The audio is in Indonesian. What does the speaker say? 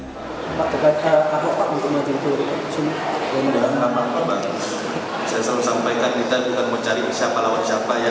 pak bagaimana kalau pak mau mencari siapa lawan siapa ya